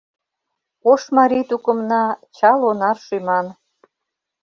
Ош марий тукымна — чал Онар шӱман;